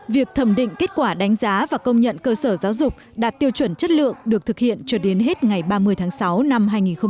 việc thẩm định kết quả đánh giá và công nhận cơ sở giáo dục đạt tiêu chuẩn chất lượng được thực hiện cho đến hết ngày ba mươi tháng sáu năm hai nghìn một mươi chín